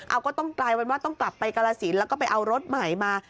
เอาก็ต้องกลายเป็นว่าต้องกลับไปกาลสินแล้วก็ไปเอารถใหม่มา